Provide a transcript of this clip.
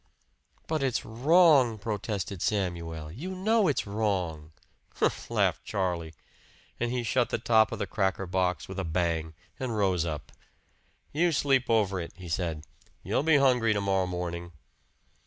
"But it's wrong!" protested Samuel. "You know it's wrong!" "Humph!" laughed Charlie. And he shut the top of the cracker box with a bang and rose up. "You sleep over it," he said. "You'll be hungry to morrow morning."